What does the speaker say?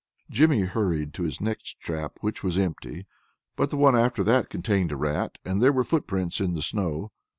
Jimmy hurried to his next trap, which was empty, but the one after that contained a rat, and there were footprints in the snow.